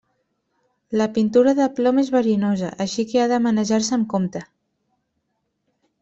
La pintura de plom és verinosa, així que ha de manejar-se amb compte.